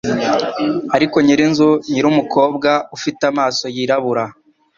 Ariko nyirinzu nyir'umukobwa ufite amaso yirabura